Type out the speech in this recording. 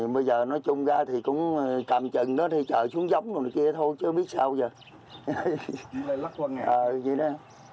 bây giờ nói chung ra thì cũng càm chừng đó thì trời xuống gióng rồi kia thôi chứ biết sao giờ